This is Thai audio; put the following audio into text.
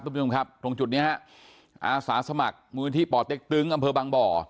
คุณผู้ชมครับตรงจุดนี้ฮะอาสาสมัครมูลที่ป่อเต็กตึงอำเภอบางบ่อ